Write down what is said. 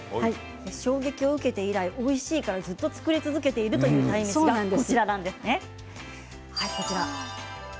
衝撃を受けて以来おいしいからずっと作り続けているという鯛めしがこちらです。